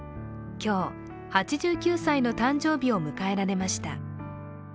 今日、８９歳の誕生日を迎えられました。